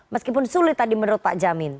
meskipun sulit tadi menurut pak jamin